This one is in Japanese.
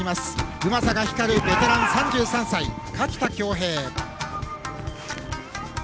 うまさが光るベテラン、３３歳垣田恭兵。